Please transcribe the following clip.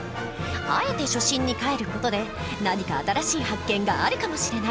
あえて初心にかえる事で何か新しい発見があるかもしれない！